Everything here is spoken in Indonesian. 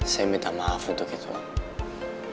saya minta maaf untuk itu pak